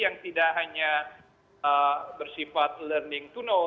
yang tidak hanya bersifat learning to know